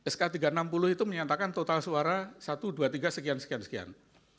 sk tiga ratus enam puluh itu menyatakan total suara satu dua tiga sekian sekian sekian